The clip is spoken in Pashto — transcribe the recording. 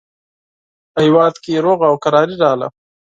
په هېواد کې سوله او کراري راغله.